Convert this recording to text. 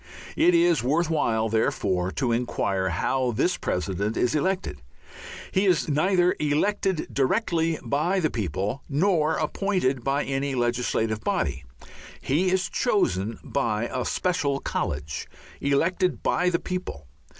It is worth while, therefore, to inquire how this President is elected. He is neither elected directly by the people nor appointed by any legislative body. He is chosen by a special college elected by the people.